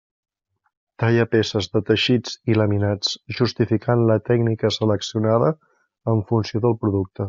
Talla peces de teixits i laminats, justificant la tècnica seleccionada en funció del producte.